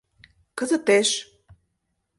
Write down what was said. — Кызытеш!